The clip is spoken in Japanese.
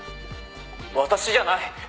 「私じゃない！」